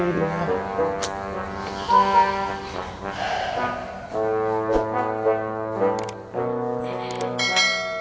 hep sekali lagi emang americano selalu ya